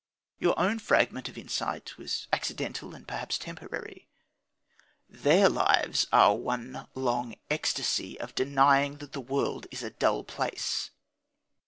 Your own fragment of insight was accidental, and perhaps temporary. Their lives are one long ecstasy of denying that the world is a dull place.